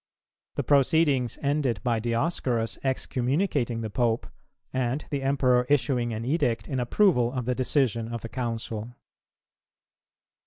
The proceedings ended by Dioscorus excommunicating the Pope, and the Emperor issuing an edict in approval of the decision of the Council.